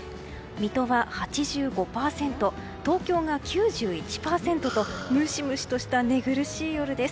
水戸は８５％東京が９１％とムシムシとした寝苦しい夜です。